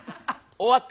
終わった？